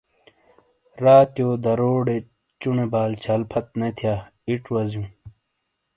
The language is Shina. راتیو دروٹے چونے بال چھال پھت نے تھیا ایچ وازیو۔